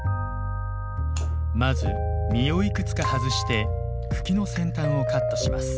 まず実をいくつか外して茎の先端をカットします。